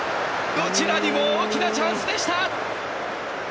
どちらも大きなチャンスでした！